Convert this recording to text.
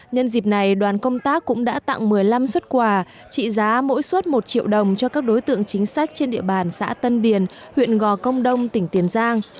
nhân dịp này đoàn công tác cũng đã tặng một mươi năm xuất quà trị giá mỗi xuất một triệu đồng cho các đối tượng chính sách trên địa bàn xã tân điền huyện gò công đông tỉnh tiền giang